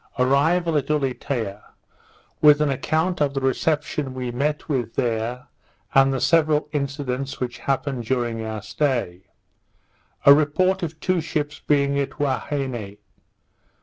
_Arrival at Ulietea; with an Account of the Reception we met with there, and the several Incidents which happened during our Stay. A Report of two ships being at Huaheine.